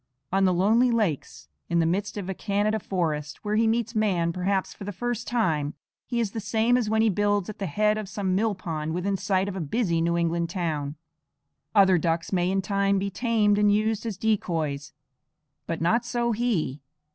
On the lonely lakes in the midst of a Canada forest, where he meets man perhaps for the first time, he is the same as when he builds at the head of some mill pond within sight of a busy New England town. Other ducks may in time be tamed and used as decoys; but not so he.